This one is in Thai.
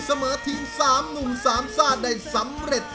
เสมอทีม๓หนุ่ม๓ซ่านได้สำเร็จ